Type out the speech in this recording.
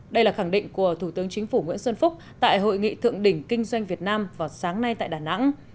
đây là khẳng định của thủ tướng chính phủ nguyễn xuân phúc tại hội nghị thượng đỉnh kinh doanh việt nam vào sáng nay tại đà nẵng